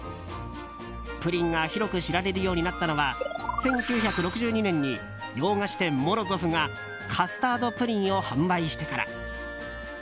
プリンが広く知られるようになったのは１９６２年に洋菓子店モロゾフがカスタードプリンを販売してから。